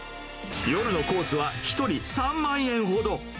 夜のコースは１人３万円ほど。